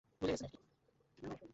প্রথমে ক্রিয়া, তারপর প্রতিক্রিয়া।